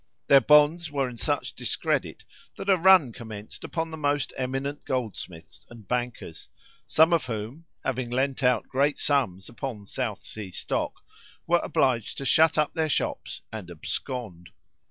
Their bonds were in such discredit, that a run commenced upon the most eminent goldsmiths and bankers, some of whom, having lent out great sums upon South Sea stock, were obliged to shut up their shops and abscond.